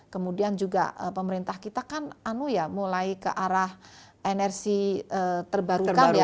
kemudian juga pemerintah kita kan mulai ke arah energi terbarukan ya